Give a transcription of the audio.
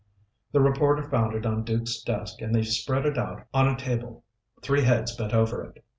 The reporter found it on Duke's desk and they spread it out on a table. Three heads bent over it.